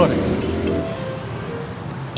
itu kan handphone gue